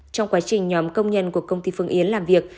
trong quá trình nhóm công nhân của công ty phương yến làm việc